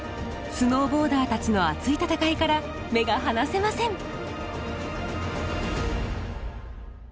スノーボーダーたちの熱い戦いから目が離せません。